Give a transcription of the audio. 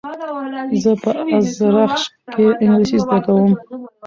زه په ازرخش کښي انګلېسي زده کوم.